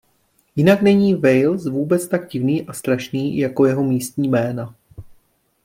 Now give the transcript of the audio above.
Jinak není Wales vůbec tak divný a strašný jako jeho místní jména.